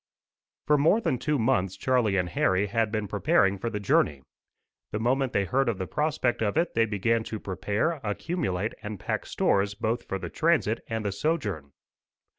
For more than two months Charlie and Harry had been preparing for the journey. The moment they heard of the prospect of it, they began to prepare, accumulate, and pack stores both for the transit and the sojourn.